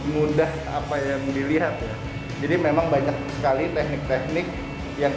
mudah apa yang dilihat ya jadi memang banyak sekali teknik teknik yang